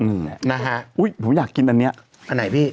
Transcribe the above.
นะฮะอุ้ยผมอยากกินอันนี้อันไหนพี่